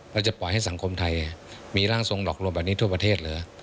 แล้วจะปล่อยให้สังคมไทยมีร่างทรงหลอกลวงแบบนี้ทั่วประเทศเหรอ